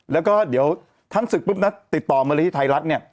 แล้วก็เดี๋ยวท่านศึกปุ๊บนะติดต่อมาเลยที่ไทยรัฐเนี่ย